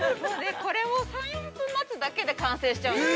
◆これを３４分待つだけで完成しちゃうんですよ。